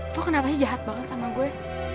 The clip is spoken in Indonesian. kok kenapa sih jahat banget sama gue